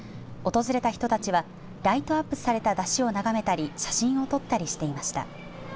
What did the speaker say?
訪れた人たちはライトアップされた山車を眺めたり写真を撮ったりしていました。